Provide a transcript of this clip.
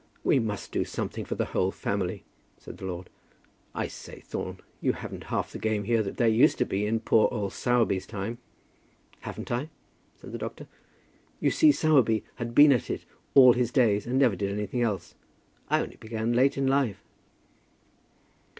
"We must do something for the whole family," said the lord. "I say, Thorne, you haven't half the game here that there used to be in poor old Sowerby's time." "Haven't I?" said the doctor. "You see Sowerby had been at it all his days, and never did anything else. I only began late in life."